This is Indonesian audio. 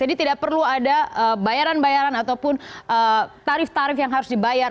jadi tidak perlu ada bayaran bayaran ataupun tarif tarif yang harus dibayar